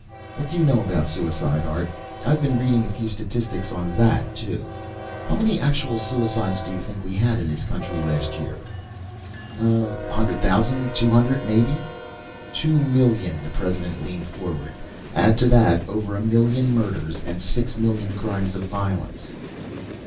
What do you know about suicide, Art? I've been reading a few statistics on that, too. How many actual suicides do you think we had in this country last year?" "A hundred thousand? Two hundred, maybe?" "Two million." The President leaned forward. "Add to that, over a million murders and six million crimes of violence."